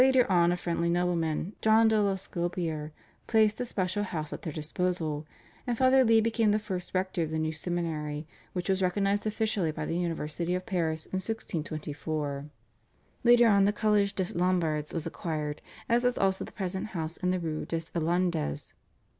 Later on a friendly nobleman, John de l'Escalopier, placed a special house at their disposal, and Father Lee became the first rector of the new seminary, which was recognised officially by the University of Paris in 1624. Later on the Collège des Lombards was acquired, as was also the present house in the Rue des Irlandais.